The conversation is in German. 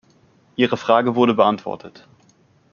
Ihre Frage wurde beantwortet.